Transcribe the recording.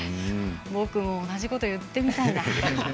僕も同じこと、言ってみたいな。